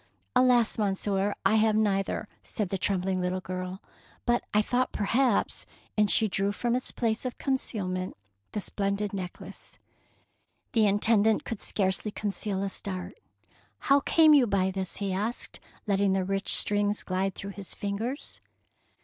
'^ "Alas, Monsieur, I have neither,^^ said the trembling little girl, "but I thought perhaps —'' And she drew from its place of concealment the splendid necklace. The Intendant could scarcely con ceal a start. " How came you by this? he asked, letting the rich strings glide through his fingers.